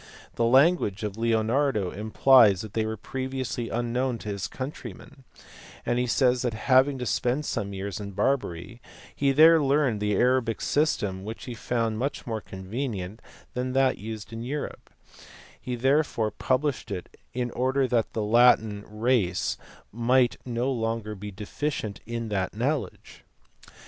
The language of Leonardo implies that they were previously unknown to his countrymen; he says that having had to spend some years in Barbary he there learnt the Arabic system which he found much more convenient than that used in Europe; he therefore published it "in order that the Latin* race might no longer be deficient in that knowledge."